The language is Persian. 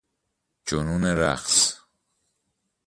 جنون رقص